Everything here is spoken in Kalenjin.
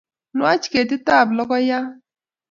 Nwach ketitab logoiyat